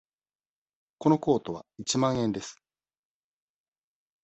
このコートは一万円です。